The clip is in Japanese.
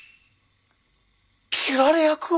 斬られ役を？